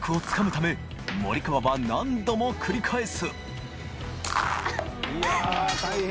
ため森川は何度も繰り返すい筺大変！